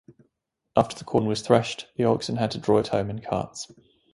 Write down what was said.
After the corn was threshed, the oxen had to draw it home in carts.